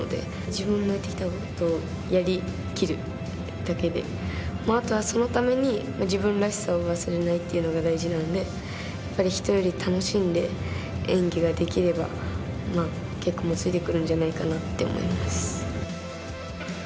自分のやってきたことをやりきるだけであとは、そのために自分らしさを忘れないっていうのが大事なんでやっぱり、人より楽しんで演技ができれば結果もついてくるんじゃないかなって思います。